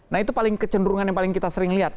nah itu paling kecenderungan yang paling kita sering lihat